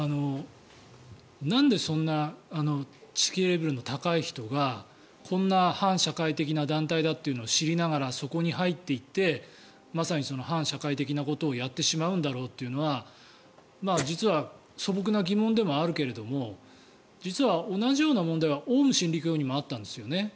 なんでそんな知識レベルの高い人がこんな反社会的な団体だというのを知りながらそこに入っていってまさに反社会的なことをやってしまうんだろうというのは実は素朴な疑問でもあるけれど実は同じような問題はオウム真理教にもあったんですよね。